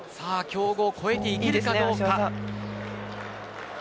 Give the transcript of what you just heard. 強豪を超えていけるかどうか。